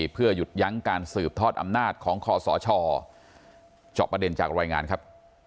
เพื่อหยุดยั้งการสืบทอดอำนาจของคอสชเจาะประเด็นจากรายงานครับ